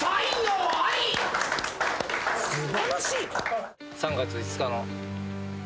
素晴らしい。